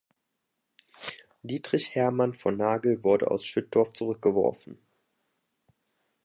Dietrich Hermann von Nagel wurde aus Schüttorf zurückgeworfen.